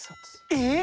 え！？